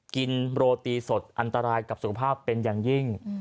กินโรตีสดอันตรายกับสุขภาพเป็นอย่างยิ่ง